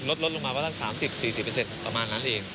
ลดลงมาประมาณสัก๓๐๔๐ประมาณนั้นเอง